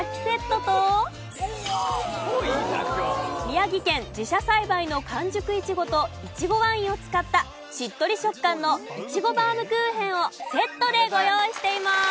宮城県自社栽培の完熟いちごといちごワインを使ったしっとり食感のいちごバームクーヘンをセットでご用意しています！